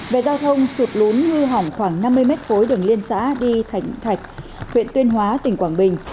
về giao thông sụt lún hư hỏng khoảng năm mươi mét khối đường liên xã đi thạch huyện tuyên hóa tỉnh quảng bình